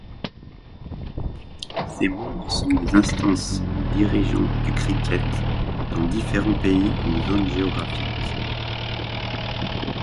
Ces membres sont les instances dirigeantes du cricket dans différents pays ou zones géographiques.